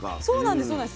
そうなんです。